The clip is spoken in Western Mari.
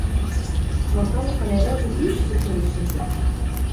Сморкаловын ӓвӓжӹ пиш сусу лин шӹнзӹн.